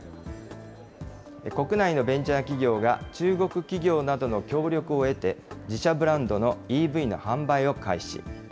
国内のベンチャー企業が中国企業などの協力を得て、自社ブランドのＥＶの販売を開始。